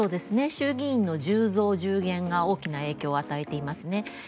衆議院の１０増１０減が大きな影響を与えていますね。